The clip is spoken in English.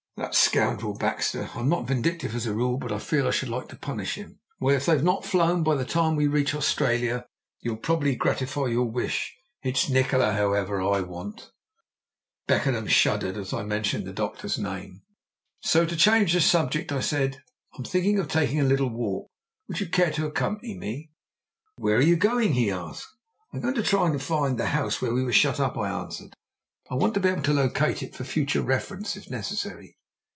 "That scoundrel Baxter! I'm not vindictive as a rule, but I feel I should like to punish him." "Well, if they've not flown by the time we reach Australia, you'll probably be able to gratify your wish. It's Nikola, however, I want." Beckenham shuddered as I mentioned the Doctor's name. So to change the subject I said, "I'm thinking of taking a little walk. Would you care to accompany me?" "Where are you going?" he asked. "I'm going to try and find the house where we were shut up," I answered. "I want to be able to locate it for future reference, if necessary."